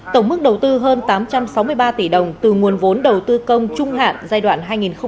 tổng mức đầu tư hơn tám trăm sáu mươi ba tỷ đồng từ nguồn vốn đầu tư công trung hạn giai đoạn hai nghìn một mươi sáu hai nghìn hai mươi